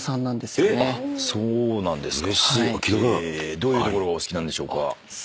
どういうところがお好きなんでしょうか？